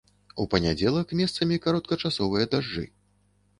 У панядзелак месцамі кароткачасовыя дажджы.